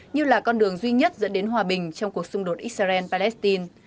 như là con đường duy nhất dẫn đến hòa bình trong cuộc xung đột israel palestine